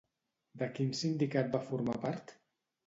De quin sindicat va formar part?